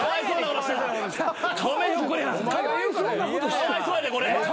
かわいそうやでこれ。